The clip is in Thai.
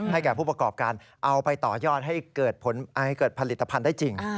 แก่ผู้ประกอบการเอาไปต่อยอดให้เกิดผลิตภัณฑ์ได้จริง